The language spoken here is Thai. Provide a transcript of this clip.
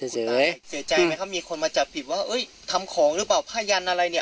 เสียใจเสียใจไหมครับมีคนมาจับผิดว่าเอ้ยทำของหรือเปล่าผ้ายันอะไรเนี่ย